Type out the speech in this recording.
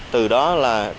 từ đó là